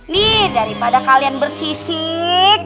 nih daripada kalian bersisik